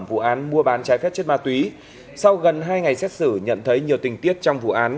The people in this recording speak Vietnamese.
vụ án mua bán trái phép chất ma túy sau gần hai ngày xét xử nhận thấy nhiều tình tiết trong vụ án